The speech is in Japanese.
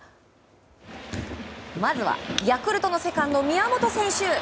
まずは、ヤクルトのセカンド宮本選手。